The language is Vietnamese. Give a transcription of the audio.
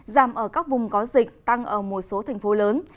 giảm ở các vùng có dịch tăng ở một số thành phố lớn